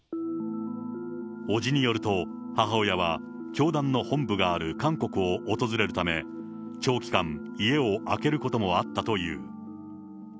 伯父によると、母親は教団の本部がある韓国を訪れるため、長期間、家を空けることもあったという。